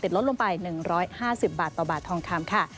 ลดลงไป๑๕๐บาทต่อบาททองคำค่ะ